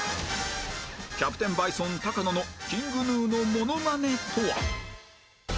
キャプテンバイソン高野の ＫｉｎｇＧｎｕ のモノマネとは？